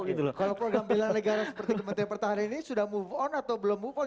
kalau program bela negara seperti kementerian pertahanan ini sudah move on atau belum move on